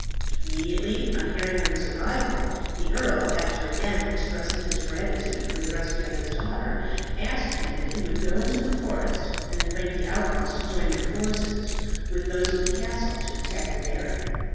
Immediately on hearing of his arrival, the earl, after again expressing his gratitude for the rescue of his daughter, asked him if he would go into the forest and invite the outlaws to join their forces with those of the castle to attack the baron.